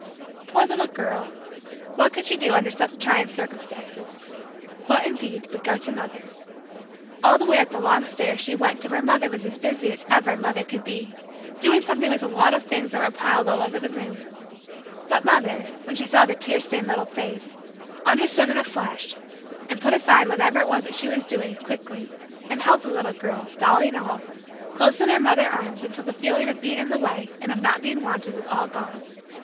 Poor little girl! What could she do under such trying circumstances what indeed but go to mother. All the way up the long stairs she went to where mother was as busy as ever a mother could be doing something with a lot of things that were piled all over the room. But mother, when she saw the tear stained little face, understood in a flash and put aside whatever it was that she was doing, quickly, and held the little girl, dolly and all, close in her mother arms until the feeling of being in the way and of not being wanted was all gone.